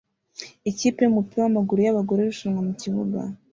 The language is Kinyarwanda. ikipe yumupira wamaguru yabagore irushanwa mukibuga